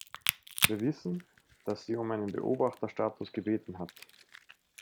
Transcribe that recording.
Wir wissen, dass sie um einen Beobachterstatus gebeten hat.